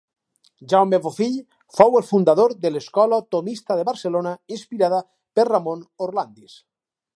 Jaume Bofill fou el fundador de l'Escola tomista de Barcelona, inspirada per Ramon Orlandis.